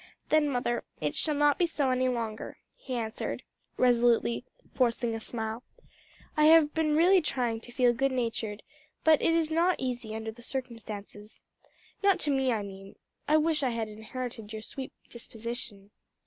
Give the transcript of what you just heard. "Then, mother, it shall not be so any longer," he answered, resolutely forcing a smile. "I have been really trying to feel good natured, but it is not easy under the circumstances. Not to me, I mean. I wish I had inherited your sweet disposition."